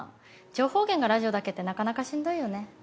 情報源がラジオだけってなかなかしんどいよね。